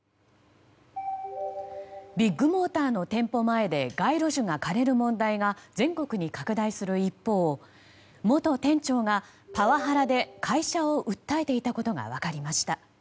ビッグモーターの店舗前で街路樹が枯れる問題が全国に拡大する一方元店長がパワハラで、会社を訴えていたことが分かりました。